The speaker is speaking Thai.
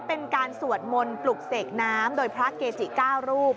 เป็นการสวดมนต์ปลุกเสกน้ำโดยพระเกจิ๙รูป